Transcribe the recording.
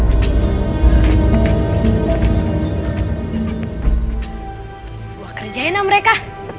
gue kerjain sama mereka